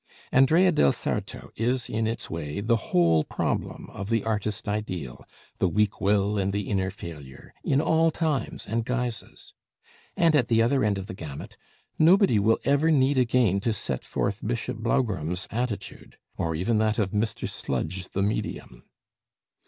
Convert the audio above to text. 'Andrea del Sarto' is in its way the whole problem of the artist ideal, the weak will and the inner failure, in all times and guises; and at the other end of the gamut, nobody will ever need again to set forth Bishop Blougram's attitude, or even that of Mr. Sludge the Medium.